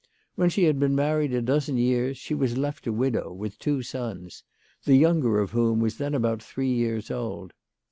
When she had been married a dozen years she was left a widow, with two sons, the younger of whom was then about three years old.